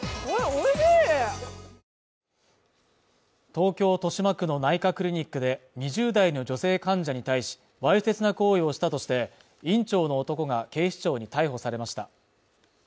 東京豊島区の内科クリニックで２０代の女性患者に対し、わいせつな行為をしたとして、院長の男が警視庁に逮捕されました。